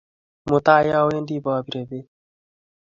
Mutai awendi paapire peek.